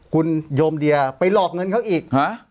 คุณโยมเดียไปหลอกเงินเขาอีก